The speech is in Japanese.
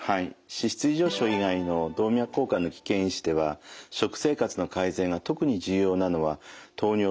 脂質異常症以外の動脈硬化の危険因子では食生活の改善が特に重要なのは糖尿病と高血圧です。